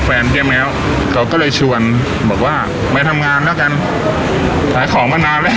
แฟนเจ๊แมวเขาก็เลยชวนบอกว่ามาทำงานแล้วกันขายของมานานแล้ว